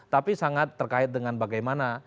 tapi sangat terkait dengan bagaimana